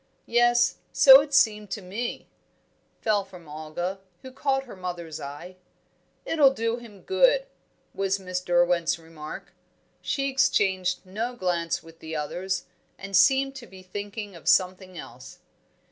"Yes, so it seemed to me," fell from Olga, who caught her mother's eye. "It'll do him good," was Miss Derwent's remark. She exchanged no glance with the others, and seemed to be thinking of something else.